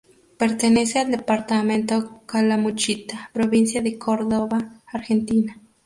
Pertenece al departamento Calamuchita, provincia de Córdoba, Argentina.